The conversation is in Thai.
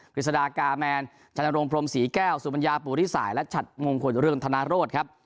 กฤษดากาแมนชันโรงพรมศรีแก้วสุมัญญาปุริษัยและฉัดงงข่วยเรื่องธนโลศน์ครับ